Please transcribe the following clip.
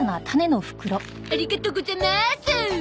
ありがとござます。